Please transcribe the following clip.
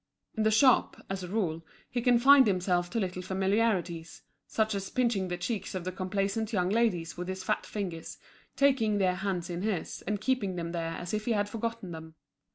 In the shop, as a rule, he confined himself to little familiarities, such as pinching the cheeks of the complaisant young ladies with his fat fingers, taking their hands in his and keeping them there as if he had forgotten them.